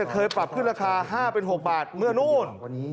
เคยปรับขึ้นราคา๕เป็น๖บาทเมื่อนู่น